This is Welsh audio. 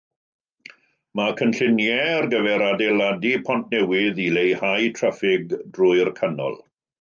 Mae cynlluniau ar gyfer adeiladu pont newydd i leihau traffig drwy'r canol.